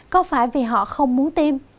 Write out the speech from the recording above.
có phải vì họ không muốn tiêm